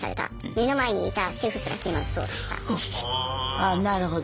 あなるほど。